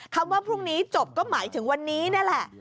คำว่าพรุ่งนี้จบก็หมายถึงวันนี้นี่แหละ